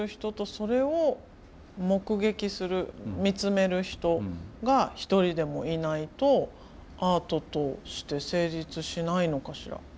それを目撃する見つめる人が１人でもいないとアートとして成立しないのかしらとも。